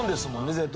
絶対。